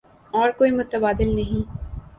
اور کوئی متبادل نہیں۔